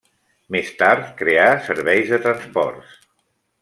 Més tard creà Serveis de Transports.